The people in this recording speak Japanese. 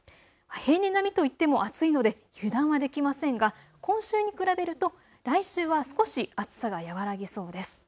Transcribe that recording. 平年並みといっても暑いので油断はできませんが今週に比べると来週は少し暑さが和らぎそうです。